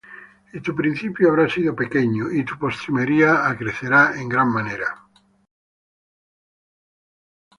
Y tu principio habrá sido pequeño, Y tu postrimería acrecerá en gran manera.